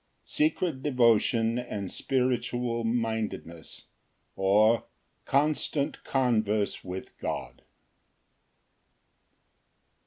Secret devotion and spiritual mindedness; or, Constant converse with God.